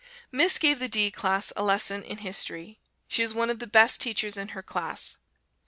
Miss gave the D class a lesson in History. She is one of the best teachers in her class.